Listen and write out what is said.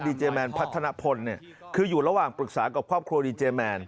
ดีเจรแมนพัฒนพลคือหลวงปรึกษากับครอบครัวดีเจรแมน